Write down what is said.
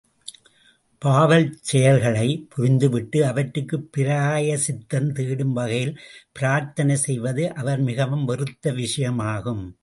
◯ பாவச் செயல்களைப் புரிந்துவிட்டு, அவற்றுக்குப் பிராயசித்தம் தேடும் வகையில் பிரார்த்தனை செய்வது அவர் மிகவும் வெறுத்த விஷ்யமாகும்.